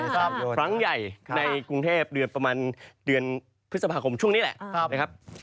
ครั้งใหญ่ในกรุงเทพเดือนประมาณเดือนพฤษภาคมช่วงนี้แหละนะครับ